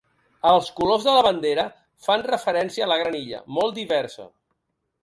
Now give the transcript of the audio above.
Els colors de la bandera fan referència a la Gran Illa, molt diversa.